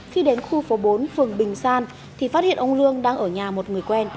khi đến khu phố bốn phường bình san thì phát hiện ông lương đang ở nhà một người quen